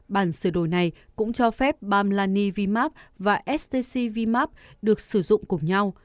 bản sửa đổi này cũng cho phép bamlani vimab và stc vimab được sử dụng cùng nhau